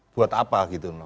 buat apa gitu loh